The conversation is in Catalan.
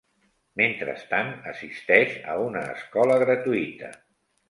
Mentrestant assisteix a una escola gratuïta.